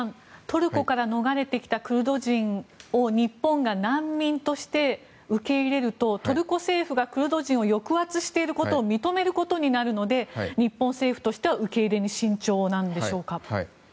トルコから逃れてきたクルド人を日本が難民として受け入れるとトルコ政府がクルド人を抑圧していることを認めることになるので日本政府としては受け入れに慎重なんでしょうか。